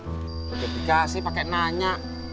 bukan dikasih pakai nanya